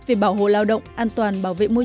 vì vậy đây là một phần tương lai